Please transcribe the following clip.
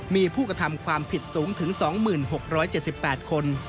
มีผู้กระทำความผิดสูงถึง๒๖๗๘คน